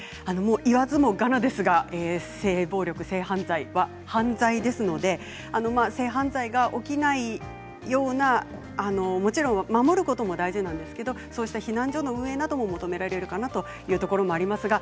言わずもがなですが性暴力、性犯罪は犯罪ですので性犯罪が起きないようなもちろん守ることも大事ですが避難所の運営なども求められるかなというところもあります。